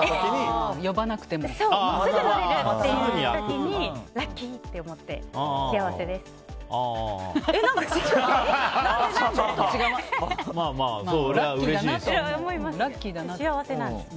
すぐ乗れるっていう時にラッキーって思って幸せです。